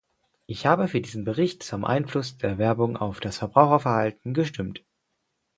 Ich habe für diesen Bericht zum Einfluss der Werbung auf das Verbraucherverhalten gestimmt.